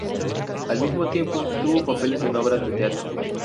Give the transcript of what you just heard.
Al mismo tiempo tuvo papeles en obras de teatro.